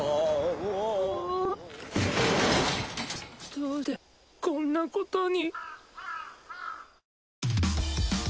どうしてこんなことに。